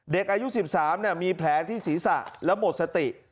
เด็กอายุ๑๓มีแผลที่ศีรษะแล้วหมดสติ